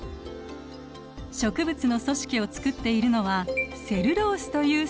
植物の組織を作っているのはセルロースという繊維。